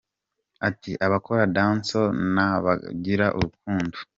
Ati “Abakora Dancehall na bo bagira urukundo.